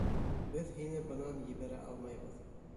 Беҙ һине бынан ебәрә алмайбыҙ.